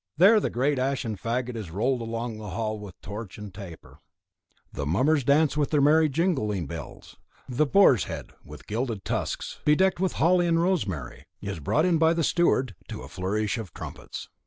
There the great ashen faggot is rolled along the hall with torch and taper; the mummers dance with their merry jingling bells; the boar's head, with gilded tusks, "bedecked with holly and rosemary," is brought in by the steward to a flourish of trumpets.